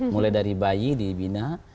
mulai dari bayi dibina